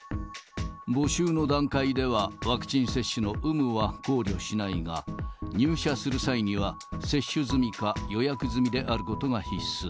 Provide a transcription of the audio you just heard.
募集の段階では、ワクチン接種の有無は考慮しないが、入社する際には、接種済みか、予約済みであることが必須。